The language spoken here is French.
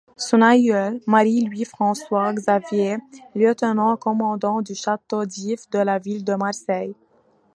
Son aïeul, Marie-Louis François Xavier, lieutenant-commandant du Château d’If de la ville de Marseille.